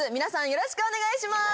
よろしくお願いします。